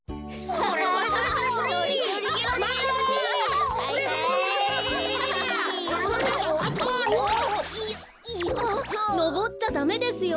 あっのぼっちゃダメですよ。